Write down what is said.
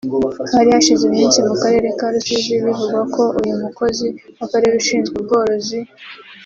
Hari hashize iminsi mu Karere ka Rusizi bivugwa ko uyu mukozi w’Akarere ushinzwe ubworozi